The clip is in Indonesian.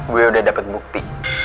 gue udah dapet bukti